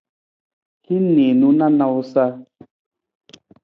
Hin niinu na nawusa.